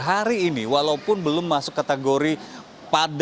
hari ini walaupun belum masuk kategori padat penduduk